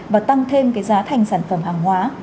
và tăng thêm cái giá thành sản phẩm hàng hóa